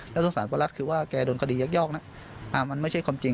แล้วสงสารป้ารัฐคือว่าแกโดนคดียักยอกนะมันไม่ใช่ความจริง